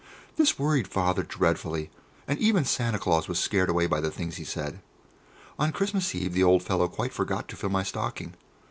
This worried Father dreadfully, and even Santa Claus was scared away by the things he said. On Christmas Eve the old fellow quite forgot to fill my stocking.